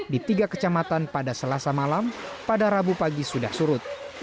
di tiga kecamatan pada selasa malam pada rabu pagi sudah surut